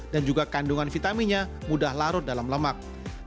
dan juga kandungan vitaminnya mudah larut dalam lemak